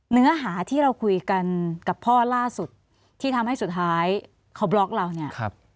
เนื้อหาที่เราคุยกันกับพ่อล่าสุดที่ทำให้สุดท้ายเขาบล็อกเราเนี่ย